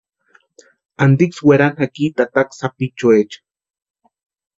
¿Antiksï werani jaki tataka sapichuecha?